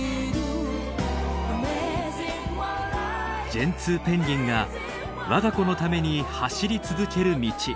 ジェンツーペンギンが我が子のために走り続ける道。